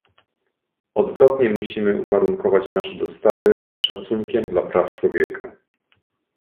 Odwrotnie, musimy uwarunkować nasze dostawy szacunkiem dla praw człowieka